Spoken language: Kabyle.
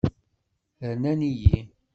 Rnan-iyi.